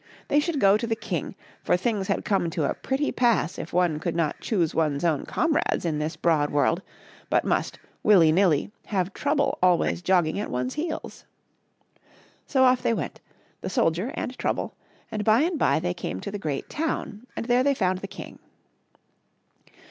They should go to the king, for things had come to a pretty pass if one could not choose one's own comrades in this broad world, but must, willy nilly, have Trouble al ways jogging at one's heels. So off they went — the soldier and Trouble — and by and by they came to the great town and there they found the king.